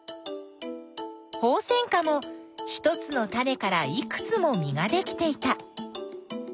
ホウセンカも１つのタネからいくつも実ができていた。